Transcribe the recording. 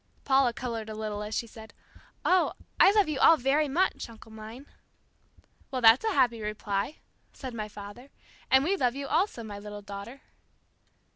Paula colored a little as she said, "Oh, I love you all very much, uncle mine." "Well, that's a happy reply," said my father, "and we love you also, my little daughter."